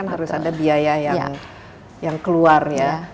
harus ada biaya yang keluar ya